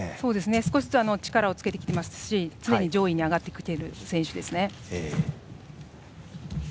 少しずつ力をつけてきていますし常に上位に上がってきている選手ですね。